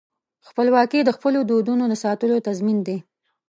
خپلواکي د خپلو دودونو د ساتلو تضمین دی.